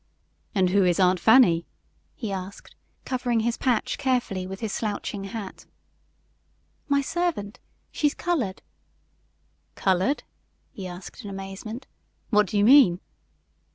"And who is Aunt Fanny?" he asked, covering his patch carefully with his slouching hat. "My servant. She's colored." "Colored?" he asked in amazement. "What do you mean?"